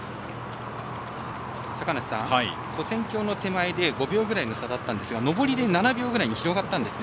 坂梨さん、跨線橋の手前５秒くらいの差でしたが上りで７秒ぐらいに広がったんですね。